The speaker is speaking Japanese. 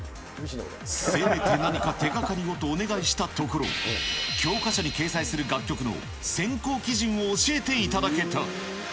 せめて何か手がかりをとお願いしたところ、教科書に掲載する楽曲の選考基準を教えていただけた。